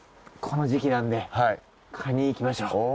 この時期なんでカニ行きましょう。